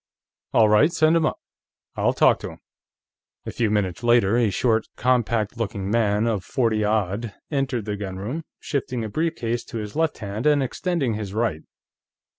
All right, send him up. I'll talk to him." A few minutes later, a short, compact looking man of forty odd entered the gunroom, shifting a brief case to his left hand and extending his right.